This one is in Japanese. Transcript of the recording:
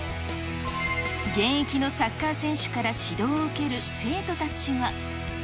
現役のサッカー選手から指導を受ける生徒たちは。